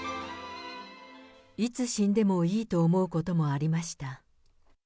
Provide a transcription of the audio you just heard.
いつ死んでもいいと思うこともありました。